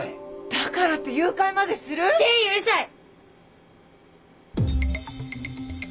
だからって誘拐までする⁉全員うるさい！